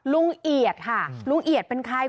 เอียดค่ะลุงเอียดเป็นใคร